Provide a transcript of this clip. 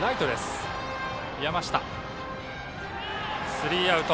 スリーアウト。